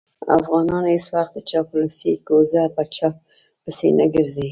افغانان هېڅ وخت د چاپلوسۍ کوزه په چا پسې نه ګرځوي.